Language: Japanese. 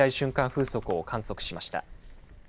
風速を観測しました。